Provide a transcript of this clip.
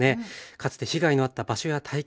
かつて被害のあった場所や体験